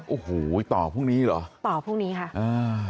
โอ้โหต่อพรุ่งนี้เหรอต่อพรุ่งนี้ค่ะอ่า